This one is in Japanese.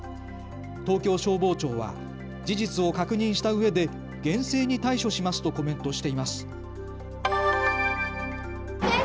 東京消防庁は事実を確認したうえで厳正に対処しますとコメントしています。